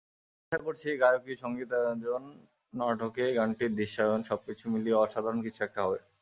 আশা করছি, গায়কি, সংগীতায়োজন, নাটকে গানটির দৃশ্যায়ন—সবকিছু মিলিয়ে অসাধারণ কিছু একটা হবে।